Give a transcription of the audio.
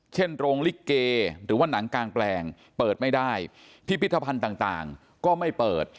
โรงลิเกหรือว่าหนังกางแปลงเปิดไม่ได้พิพิธภัณฑ์ต่างก็ไม่เปิด